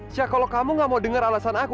sya kalau kamu nggak mau dengar alasan aku